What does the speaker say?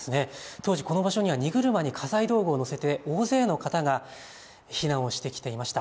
当時、この場所には荷車に家財道具を載せて大勢の方が避難をしてきていました。